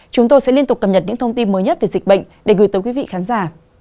chúng tôi sẽ liên tục cập nhật những thông tin mới nhất về dịch bệnh để gửi tới quý vị khán giả